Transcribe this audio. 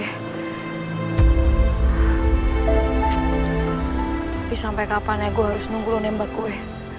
tapi sampe kapan ya gue harus nunggu lo nembak gue